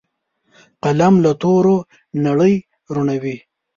قلم له تورو نړۍ رڼوي